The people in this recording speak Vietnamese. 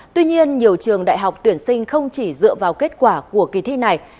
tuy nhiên nhiều trường đại học tuyển sinh không chỉ dựa vào kết quả của kỳ thi này